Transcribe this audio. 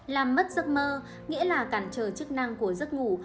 làm mất giấc mơ nghĩa là cản trở chức năng của giấc ngủ